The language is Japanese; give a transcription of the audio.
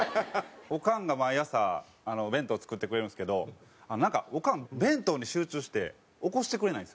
おかんが毎朝弁当作ってくれるんですけどなんかおかん弁当に集中して起こしてくれないんですよ。